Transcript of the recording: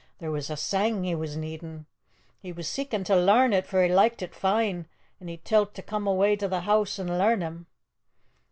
"There was a sang he was needin'. He was seekin' to lairn it, for he liket it fine, an' he tell't me to come awa' to the hoose and lairn him.